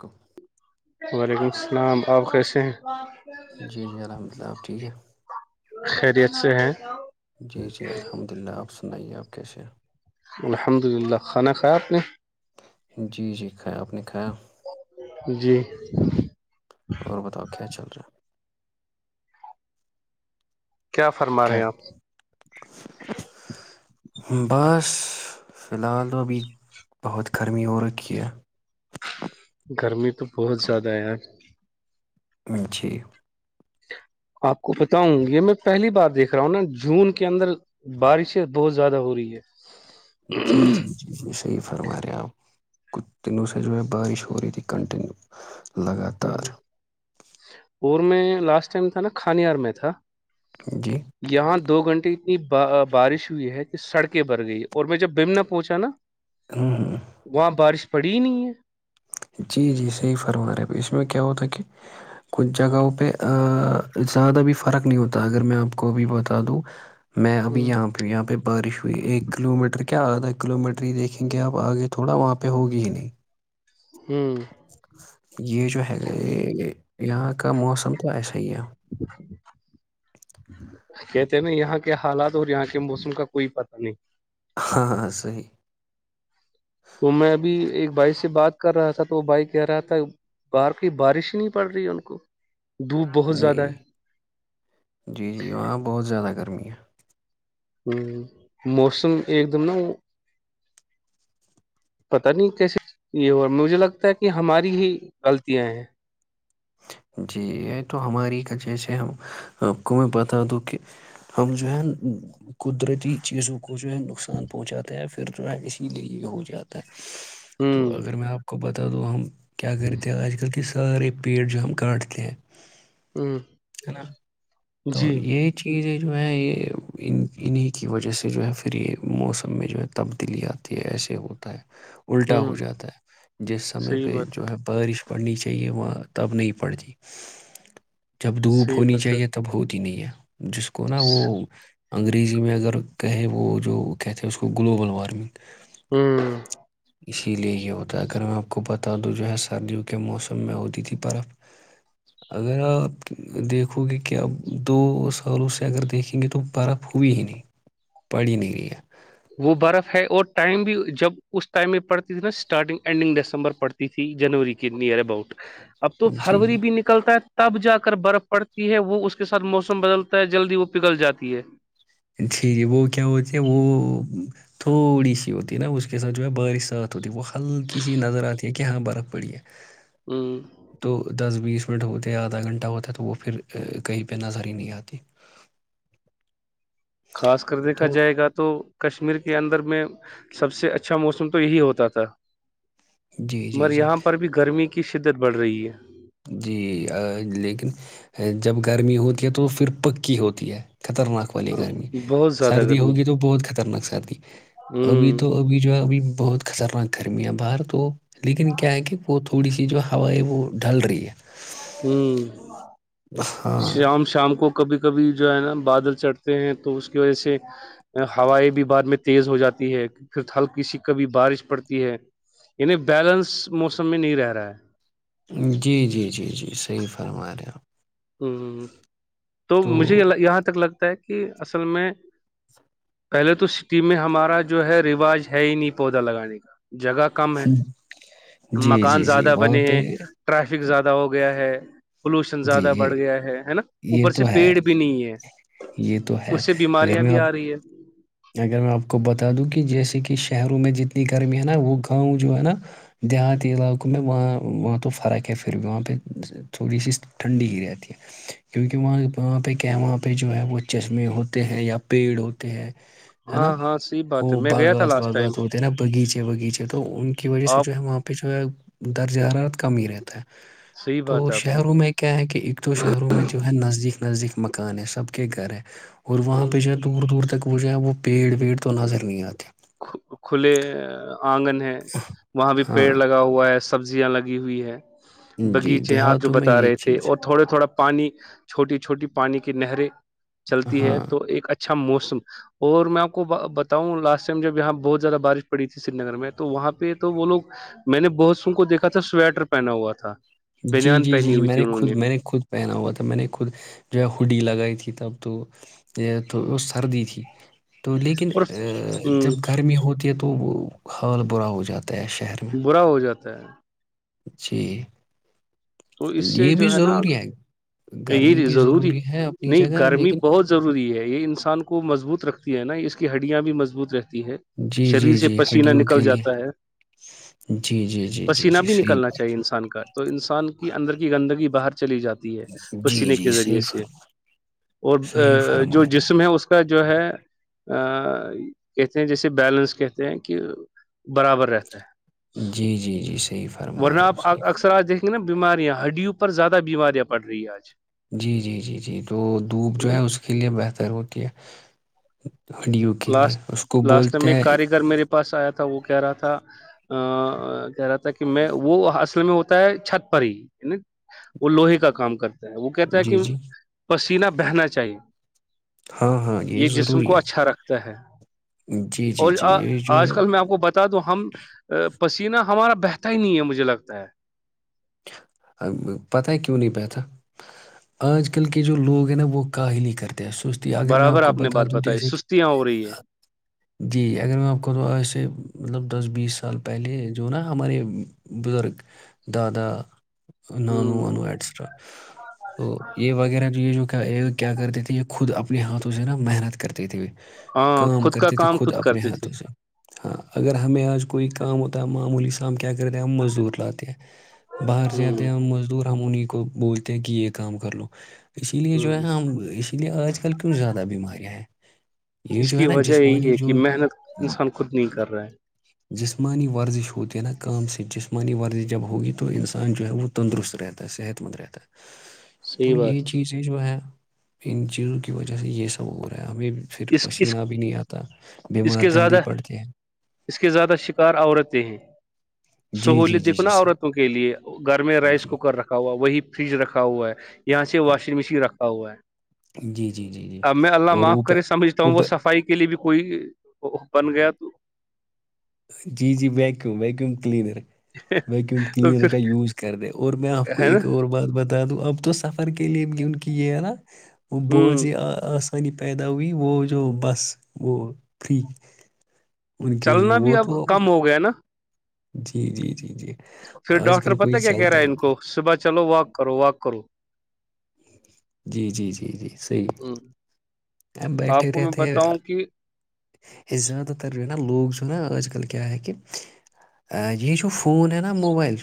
کم [unintelligible] وعلیکم السلام آپ کیسے ہیں جی جی الحمد للہ آپ ٹھیک ہے خیریت سے ہے جی جی الحمد للہ آپ نہیں آپ کیسے الحمد للہ کھانا کھایا آپ نے جی جی خیرپ نے کھایا جی اور بتاؤ کیا چل رہا ہے کیا فرما رہے ہیں آپ کیا بس فی الحال تو ابھی بہت گرمی ہو رکی ہے گرمی تو بہت زیادہ ہے یار م چی آپ کو بتاؤں یہ میں پہلی بار دیکھ رہا ہوں نا جون کے اندر بارشیں بہت زیادہ ہو رہی ہے جی جی جی جی س فرمارؤ ک دین جو بارش ہویتی کنٹنیو لگاتار پور میں لاسٹ ٹائم تھا نا کھانار میں تھا جی یہاں دو گھنٹے اتنی بارش ہوئی ہے کہ سڑکیں بر گئی اور میں جب بمنا پہنچا نا ہ وہاں پر پڑھی نہیں ہے جی جی صحیح فرم رہے پ اس میں کیا ہوتا ہے کہ کچھ جگہوں پہ زیادہ بھی فرق نہیں ہوتا اگر میں آپ کو ابھی بتا دوں میں ابھی ہے یہاں پہ یہاں پہ بارش ہوئی ایک کلو میٹر کیا آدا کلو میٹر ہی دیکھیں گے آپ آگے تھوڑا وہاں پہ ہوگی ہی نہیں ہوں یہ جو ہے یہاں کا موسم تو ایسا ہی ہے کہتے ہیں نا یہاں کے حالات اور یہاں کے موسم کا کوئی پتا نہیں ہاں ہاں صی تو میں ابھی ایک بھائی سے بات کر رہا تھا تو وہ بھائی کہہ رہا تھا باہر کی بارش ہی نہیں پڑ رہی ان کو دھوپ بہت نہیں زیادہ جی جی وہاں بہت زیادہ کر گم ہے ہوں موسم ایک دم نا پت نہیں کیسے یہ ہو مجھے لگتا ہے کہ ہماری ہی غلطیاں ہیں جی یہ تو ہماری کا جیسے ہم آپ کو میں بتا تو کہ ہم جو ہے قدرتی چیزوں کو جو ہے نقصان پہنچاتے ہیں پھر جو ہے اسی لیے یہ ہو جاتا ہے تو ہوں اگر میں آپ کو بتا تد وہ ہم کیا کرتے ہیں آج کل کی سار [unintelligible] بھیڑ جو ہم کاٹتے ہیں ہوں ہے نا تو یہ چیز جو ہے یہ ان انہیں کی وجہ سے جو ہے پھر یہ موسم میں جو ہے تبدیلی آتی ہے ایسے ہوتا ہے الٹا ہو ہوں جاتا ہے جس سمے صحیح پہ بات جو ہے بارش پڑھنی چاہیے وہاں تب نہیں پڑھتی جب دھوپ صحیح ہونی بات ہے چاہیے تو ہوتی نہیں ہے جس کو نا وہ انگریزی میں اگر کہے وہ جو کہتے ہیں اس کو گلوبل وارمنگ ہوں اسی لیے یہ ہوتا ہے اگر میں آپ کو بتا د جو ہے سردیوں کے موسم میں ہوتی تھی برف اگر آپ دیکھو گے کہ اب دو سالوں سے اگر دیکھیں گے تو برف ہوئی ہی نہیں پڑی نہیں رہی ہے وہ برف ہے اور ٹائم بھی جب اس ٹائم میں پڑتی تھی نا اسٹارٹنگ اینڈنگ دسمبر پڑتی تھی جنوری کی نیئر اباؤٹ اب تو جی فروری جی بھی نکلتا ہے تب جا کر برف پڑتی ہے وہ اس کے ساتھ موسم بدلتا ہے جلدی وہ پگھل جاتی ہے جی جی وہ کیا ہوتی ہے وہ تھوڑی سی ہوتی ہے نا اس کے ساتھ جو ہے بارش رات ہوتی ہے وہ ہلکی سی نظر آتی ہے کہ یہاں برف پڑی ہے ہوں تو دس بیس منٹ ہوتے ہے آدھا گھنٹہ ہوتا ہے تو وہ پھر کہیں پہ نظر ہی نہیں آتی خاص کر دیکھا تو جائے گا تو کشمیر کے اندر میں سب سے اچھا موسم تو یہی ہوتا تھا جی جی مگر جی یہاں پر بھی گرمی کی شدت بڑھ رہی ہے جی لیکن جب گرمی ہوتی ہے تو پھر پکی ہوتی ہے خطرناک والی گرمی ہے بہت زیادہ سردی گرمی ہوگی تو بہت خطرناک سردی ابھی تو ابھی جو ہے ابھی بہت خطرناک گرمیاں باہر تو لیکن کیا ہے کہ وہ تو تھوڑی جو ہاائی وہ ڈھل رہی ہے ہوں ہاں شام شام کو کبھی کبھی جو ہے نا بادل چڑھتا تو اس کی وجہ سے ہوائیں بھی بعد میں تیز ہو جاتی ہے پھر ہلکسی کبھی بارش پڑتی ہے یعنی بیلنس موسم میں نہیں رہ رہا ہے جی جی جی جی صحیح فرما رہے آپ تو مجھے یہاں تک لگ کہ اصل میں پہلے تو سٹی میں ہمارا جو ہے رواج ہے ہی نہیں پودا لگانے کا جگہ کم ہے جی مکان جی جی زیادہ وہاں بنے پہ ہیں ٹریفک زیادہ ہو گیا ہے پلوشن جی زیادہ بڑ یہ گیا ہے نا یہ اوپر سے تو ہے پیڑ بھی نہیں ہے یہ تو ہے اس سے اگر بیماریاں میں بھی آپ آ رہی ہے اگر میں آپ کو بتا دوں کہ جیسے کہ شہروں میں جتنی گرمی ہے نا وہ گاؤں جو ہے نا دیہاتی علاقوں میں وہاں وہاں تو فرق ہے پھر بھی وہاں پہ تھوڑی سی ٹھنڈی ہی رہتی ہے کیوںکہ وہاں وہاں پہ کیا ہے وہاں پہ جو ہے وہ چشمے ہوتے ہیں یا پیڑ ہوتے ہیں ہے نا ہاں ہاں صحیح بات ہے وہ میں گیا تھا باغات لاسٹ ٹائم واغات ہوتے ہے نا باغیچے باغیچے تو ان کی وجہ سے آپ جو ہے وہاں پہ جو ہے درجہ رات کمی ہی رہتا ہے صحیح بات تو ہے آپ کی شہروں میں کیا ہے کہ ایک تو شہروں میں ج نزدیک نزدیک مکان ہے سب کے گھر ہے اور وہاں ہوں، پہ جو ہے دور دور تک وہ جو ہے وہ پیڑ ویڑ تو نظر نہیں آتا کھ- کھلے آنگن ہے وہاں بھی ہاں پیڑ لگا ہوا ہے سبزیاں لگی ہوئی ہے جی باغیچے ہیں آپ جو دیہاتوں میں بتا یہ رہے تھے چیز اور تھوڑے تھوڑا پانی چھوٹی چھوٹی پانی کی نہریں چلتی ہے تو ایک اچ اچھا موسم اور میں آپ کو بتاؤں لاسٹ جب یہاں بہت زیادہ بارش پڑیھی سری نگر میں تو وہاں پہ تو وہ لوگ میں نے بہت سو کو دیکا تھا سویٹر پہنا ہوا تھا جی بنیان جی جی پہنی جی ہوئی میں تھی نے انہوں خود میں نے خود پہنا ہوا تھا میں نے خود جو ہے ہڈی لگائی تھی تب تو یہ تو وہ سردی تھی تو لیکن اور ہ جب گرمی ہوتی ہے تو تو وہ حال برا ہو جاتا ہے ختس شہر میں تو جی تو اس سے یہ بھی جو ہے نا ضروری گرمی یہ بھی ضروری ہے اپنی نہیں جگہ گرمی لیکن بہت ضروری ہے یہ انسان کو مضبوط رکھتی ہے نا یہ کی ہڈیاں بھی مضبوط رہتی ہیں ہے جی شریر جی سے جی پسینہ ہڈیوں نکل کے لیے جاتا ہے جی جی جی جی پسیینہ جی بھی صحیح نکلنا بات چاہیے انسان کا تو انسان کی گندگی باہر چلی جاتی ہے جی پسینے کے جی ذریعے صحیح سے فرما صحیح اور فرما جو رہے جسم ہے اس کا جو ہے ا کہتے ہیں جیسے بیلنس کہتے ہیں کہ برابر رہتا ہے جی جی جی سر ورنہ آپ اکثر آج دیکھیں گے نا بیماریاں ہڈیوں پر زیادہ بیماریاں پڑ رہی ہیں آج جی جی جی جی تو دوپ جو ہے اس کے لیے بہتر ہو ٹ لاسٹ لاسٹ ٹ میں ایک کاریگر میرے پاس آیا تھا تھا وہ کہ رہا تھا کہ رہا تھا کہ میں وہ اصل میں ہوتا ہے چھت پر ہی وہ لوہے کا کام کرتا وہ کہتا ہے جی کہ جی پسینہ بہنا چاہیے ہاں ہاں یہ جسم ضروری کو ہے اچھا رکھتا ہے جی جی اور جی یہ جو ہے آج کل میں آپ کو بتا دوں ہم پسیینہ ہمارا بہتا ہی نہیں ہے مجھے لگتا ہے پتا کیوں نہیں بتا آج کل کے جو لوگ ہیں نا وہ کاہلی کرتے ا سوستی اگر میں آپ برابر کو نے بتا بات دوں بتائی جیسے کہ سستیاں ہو رہی ہے جی اگر میں آپ کو ایسے مطلب دس بیس سال پہلے جو نا ہمارے بزرگ دادا د نانو ہ وانو ایٹسٹرا تو یہ وغیرہ چی کا یہ کیا کرتے تھے یہ خود اپنے ہاتھوں سے نا محنت کرتے تھے ہاں کام خود کا کرتے تھے کام خود اپنے کرتے تھے ہاتھوں سے ہاں اگر ہمیں آج کوئی کام ہوتا ہے معمولی سام کیا کرتے ہیں ہم مزدور لاتے ہیں باہر سے آتے ہ ہیں ہم مزدور ہم انہیں کو بولتے ہیں کہ یہ کام کر لو اسی لیے ہ جو ہے ہم اسی لیے آج کل کیوں زیادہ بیماریاں ہیں یہ اس جو ہے کی نا وجہ یہی جسمانی ہے کہ جو محنت انسان خود نہیں کر رہا ہے جسمانی ورزش ہوتی ہے نا کا س جسم مانی ورزی جب ہوگی تو انسان جو ہے وہ تندرست رہتا ہے صحت مند رہتا ہے تو صحیح بات یہی ہے۔ چیزیں جو ہے ان چیزوں کی وجہ سے یہ سب ہو رہا ہے ہمیں پھر اس اس پسینہ بھی نہیں آتا اس بیمار کے جلدی زیادہ پڑتے ہیں اس کے جی جی سہوولت جی دیکھو جی نا صحیح عورتوں کے لیے گھر میں رائس جی کوکر رکھا ہوا وہی فریج رکھا ہوا ہے یہاں سے واشنگ مشین رکھاا ا ہے جی جی جی جی اب میں اللہ اور معاف وہ کرے سمجھتا ہوں وہ صفائی کے لیے بھی کوئی بن گیا تو جی جی ویکیوم ویکیوم کلینر ویکیوم تو کلینر پھر کا یوز کر دیں اور میں آپ کو ہے نا ایک اور بات بتا دوں آپ تو سفر کے لیے بھی ا ان کی یہیرا بواز ہ یہس پانی پیدا ہوئی وہ جو بس وہ فری ان کے لیے وہ ملب تو کم ہو گیا نا جی جی جی جی پھر آج ڈاکٹر کل کوئی پتا کیا کہہ رہا چلتا ہے ہی ان کو نہیں صبح چلو واک کرو واک کرو جی جی جی جی صحیح ہ ہم بیٹھے آپ کو میں رہتے بتاؤں کہ ہیں زیادہ تر رہ لوگ جو نا آج کل کی ہے کہہ یہ جو فون ہے نا موبائل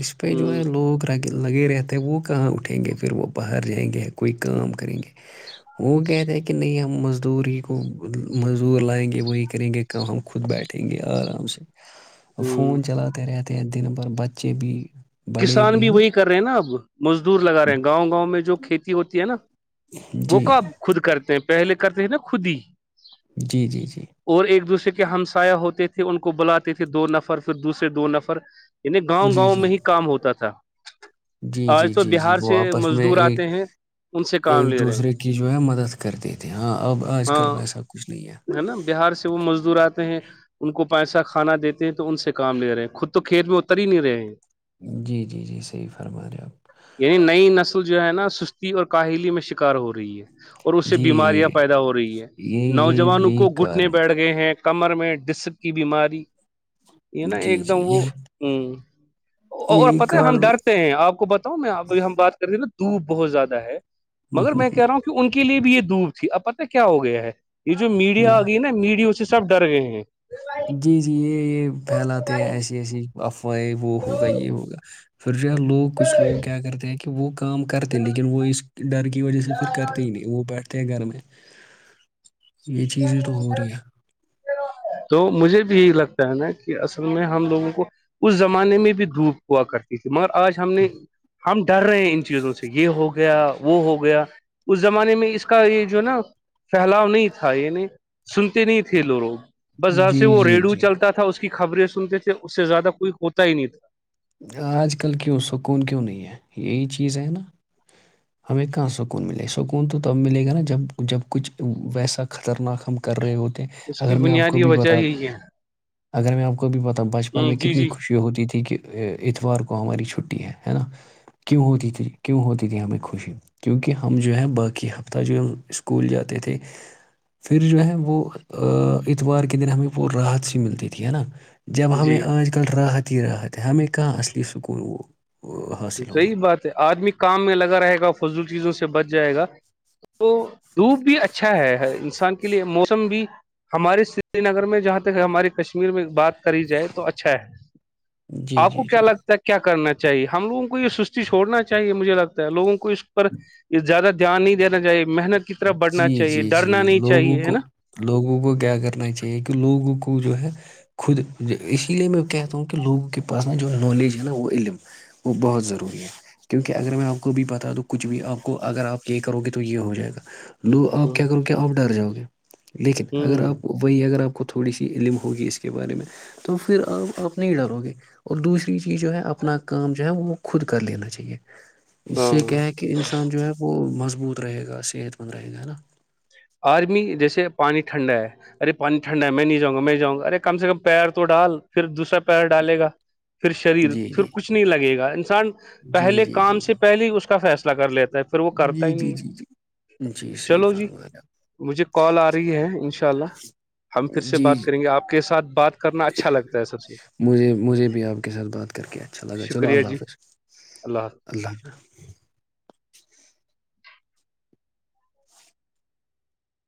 اس پ ہ ج جو ہے لوگ رگیل لگے رہتے ہیں وہ کہاں اٹھیں گے پھر وہ باہر جائیں گے کوئی کام کریں گے ہو گیا تھا کہ نہیں ہم مزدور ہی کو مزدور لائیں گے وہی کریں گے کہ ہم خود بیٹھیں گے آرام سے ہ فون چلاتے رہتے تے ہیں دن بھر بچے بھی بڑے کسان بھی ہے نا وہی کر رہے ہیں نا اب مزدور لگا رہے ہیں گاؤں گاؤں میں جو کھیتی ہوتی ہے نا وہ جی کو خود کرتے ہیں پہلے کرتے ہیں نا خود ہی جی جی جی ہمسایا ہوتے تھے ان کو بلاتے تھے دو نفر پھر دوسرے دو نفر انیں گاؤں جی گاں جی ہی تھا جی جی آج تو جی جی بہار وہ سے آپس میں مزدور آتے ایک ہیں ان سے کام ایک لے رہے ہیں دوسرے کی جو ہے مدد کرتے تھے ہاں اب آج کل ہاں وسا کچھ نہیں ہے نا بہار سے وہ مزدور آتے ہیں ان کو پیسہ کھانا دیتے ہیں تو ان سے کام لے رہے ہیں خود تو کھیت میں اتر ہی نہیں رہے ہیں جی جی جی صحیح فرما رہے آپ یعنی نئی نسل جو ہے نا سستی اور کاہلی میں شکار ہو رہی ہے اور اس سے جی بیماریاں یہی پیدا ہو رہی ہیں نوج یہی یہی کو گھٹنے کارن بیٹھ گئے ہیں کمر میں ڈسپ کی بیماری یہ نا جی ایک جی دم وہ یہی ہ اور یہی پتہ ہے ہم کارن ڈرتے ہیں آپ کو بتاؤں میں اب ہم بات کرتے نا دھوپ بہت زیادہ ہے مگر میں کہہ رہا ہوں کہ ان کی کے لیے بھی یہ دوور تھی اب پت کیا ہو گیا ہے یہ جو میڈیا آ ہوں گئی ہے نا میڈی سے سب ڈر گئے ہیں جی جی یہ یہ پھیلاتے ہیں ایسی ایسی آف وہ ہوگا یہ ہوگا ف لوگ کچھ لوگ کیا کرتے ہیں کہ کہ وہ کام کرتے لیکن ہیں وہ اس ڈر کی وجہ سے پھر کرتے ہی نہیں وہ بیٹھ تھ گھر میں یہ چیزیں تو ہو رہی ہے تو مجھے بھی یہی لگتا ہے نا کہ اصل میں ہم لوگوں کو اس زمانے میں بھی دھوپ ہوا کرتی تھی مگر آج ہم نے ہم ڈر رہے ہیں ان چیزوں سے یہ ہو گیا وہ ہو گیا اس زمانے میں اس کا یہ جو ہے نا پھیلاؤ نہیں تھا یہ نہیں سنتے نہیں تھے کھیلو رو [unintelligible] بس جاں جی سے وہ جی ریڈو جی چلتا تھا اس کی خبریں سنتے تھے اس سے زیادہ کوئی ہوتا ہی نہیں تھا آج کل کیوں سکون کیوں نہیں ہے یہی چیز ہے نا ہمیں کہاں سکون ملے سکون تو تب ملے گا نا جب جب کچھ ویسا خطرناک ہم کر رہے ہو اس کی بنیاد یہ وجہ ہی ہے اگر میں بھی پتا بچپن ہ میں جی کتنی جی خوشی ہوتی تھی کہ اتوار کو ہماری چھٹی ہے ہے نا کیوں ہوتی تھی کیوں ہوتی تھی ہمیں خوشی کیونکہ ہم جو ہے باقی ہفتہ جو ہم اسکول جاتے تھے پھر جو ہے وہ اتوار کے دن ہمیں وہ راحت سی ملتی تھی ہے نا جب ہمیں جی آج کل ر تیرا ہے ہمیں کاہ اصلی سکولون وہ وہ حاصل ہوگا صحیح بات ہے آدمی کام میں لگا رہے گا فضول چیزوں سے بچ جائے گا تو دھوپ بھی اچھا ہے انسان کے لیے موسم بھی ہمارے سری نگر میں جہاں تک ہمارے کشمیر میں بات کری جائے تو اچھا ہے جی آپ کو جی کیا جی لگتا ہے کیا کرنا چ چاہے ہموگوں کو یہ سستی چوڑنا چاہیے مجھے لگتا ہے لووں کو اس پر یہ زیادہ دھیان نہیں د دیتا [unintelligible] جی جی جی نہیں لوگوں چاہیے ہے کو نا لوگوں کو کیا کرنا چاہیے کہ لوگوں کو جو ہے خود اسی لیے میں کہتا ہوں کہ لوگوں کے پاس نا جو نالج ہے نا وہ علم وہ بہت ضروری ہے کیونکہ اگر میں آپ کو بھی بتا دوں کچھ بھی آپ کو اگر آپ یہ کرو گے تو یہ ہو ج گا [unintelligible] لو آپ ہ کیا کرو کہ آپ ڈر جاؤ گے لیکن اگر ہوں آپ وہی اگر آپ کو تھوڑی سی علم ہوگی اس کے بارے میں تو پھر آپ آپ نہیں ڈرو گے اور دوسری چیز جو ہے اپنا کام جو ہے وہ خود کر لینا چاہیے اس سے ہاں کیا ہے کہ انسان جو ہے وہ مز مضبوت رہے گا اس صحت مند رہے گا ہے نا آرمی جیسے پانی ٹھنڈا ہے ارے پانی ٹھنڈا ہے میں نہیں جاں گا میں جاؤں گا ارے کم سے کم پیر تو ڈال پھر دوسرا پیر ڈالے گا پھر شریر جی پھر جی کچھ نہیں لگے گا انسان جی پہلے جی جی کام سے پہلے اس کا فیصلہ کر لیتے [unintelligible] جی جی جی جی جی صحیح چلو جی فرما مجھے کال آ رہی ہے انشاء اللہ ہم پھر آپ سے جی بات جی کریں گے آپ کے ساتھ بات کرنا اچھا لگتا ہے سب سے مجھے مجھے بھی آپ کے ساتھ بات کر کے اچھا لگا چلو شکریہ اللہ جی حافظ اللہ حافظ